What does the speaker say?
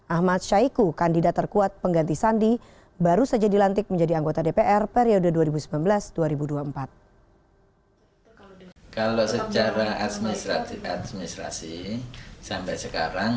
ahmad syaiqo kandidat terkuat pengganti sandi baru saja dilantik menjadi anggota dpr periode dua ribu sembilan belas dua ribu dua puluh empat